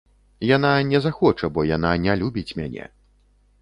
Яна не захоча, бо яна не любіць мяне.